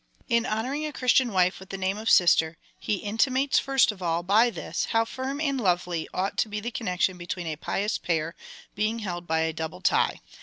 In honouring a Christian wife with the name of sister, he intimates, first of all, by this, how firm and lovely ought to be the connection between a pious pair, being held by a double tie.